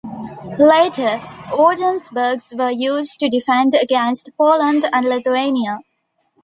Later, Ordensburgs were used to defend against Poland and Lithuania.